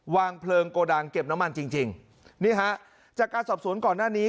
วางเพลิงโกดังเก็บน้ำมันจริงจริงนี่ฮะจากการสอบสวนก่อนหน้านี้